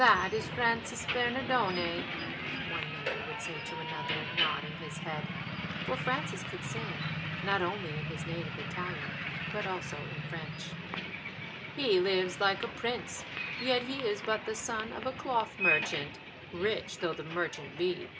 "That is Francis Bernardone," one neighbour would say to another, nodding his head, for Francis could sing, not only in his native Italian, but also in French. "He lives like a prince; yet he is but the son of a cloth merchant, rich though the merchant be."